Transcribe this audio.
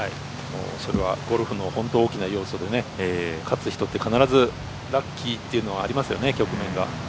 それはゴルフの本当大きな要素で勝つ人って必ずラッキーというのはありますよね、局面が。